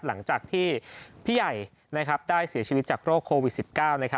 หลังจากที่พี่ใหญ่ได้เสียชีวิตจากโรคโควิด๑๙